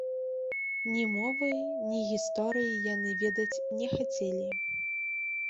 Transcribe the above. Ні мовы, ні гісторыі яны ведаць не хацелі.